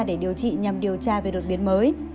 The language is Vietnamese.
để điều trị nhằm điều tra về đột biến mới